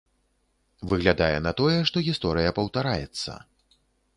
Выглядае на тое, што гісторыя паўтараецца.